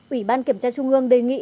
ủy ban kiểm tra trung ương đề nghị